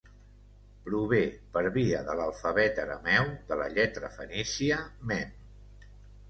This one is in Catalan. Prové, per via de l'alfabet arameu de la lletra fenícia mem.